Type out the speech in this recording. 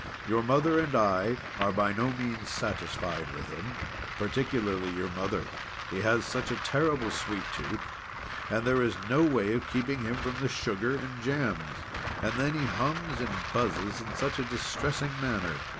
Your mother and I are by no means satisfied with him, particularly your mother. He has such a terrible sweet tooth, that there's no way of keeping him from the sugar and jams. And, then, he hums and buzzes in such a distressing manner.